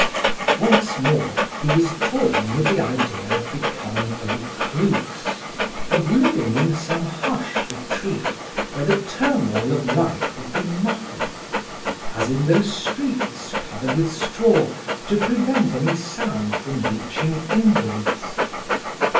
Once more he was toying with the idea of becoming a recluse, of living in some hushed retreat where the turmoil of life would be muffled as in those streets covered with straw to prevent any sound from reaching invalids.